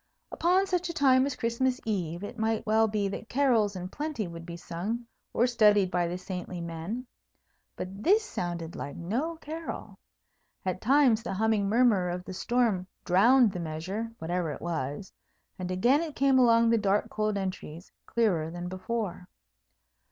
Upon such a time as Christmas Eve, it might well be that carols in plenty would be sung or studied by the saintly men. But this sounded like no carol. At times the humming murmur of the storm drowned the measure, whatever it was, and again it came along the dark, cold entries, clearer than before.